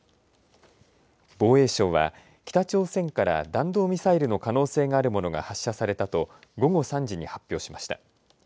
防衛省は、北朝鮮から弾道ミサイルの可能性があるものが発射されたと、午後３時に発表しました。